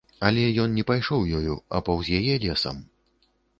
Але ён не пайшоў ёю, а паўз яе лесам.